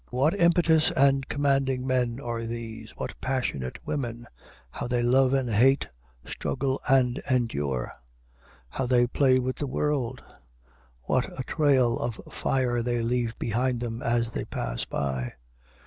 What impetuous and commanding men are these, what passionate women; how they love and hate, struggle and endure; how they play with the world; what a trail of fire they leave behind them as they pass by!